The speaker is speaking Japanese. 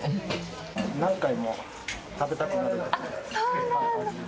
何回も食べたくなる味です。